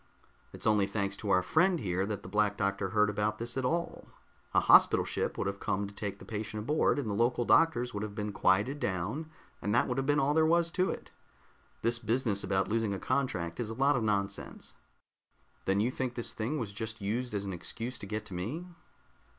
"It's only thanks to our friend here that the Black Doctor heard about this at all. A hospital ship would have come to take the patient aboard, and the local doctors would have been quieted down and that would have been all there was to it. This business about losing a contract is a lot of nonsense." "Then you think this thing was just used as an excuse to get at me?"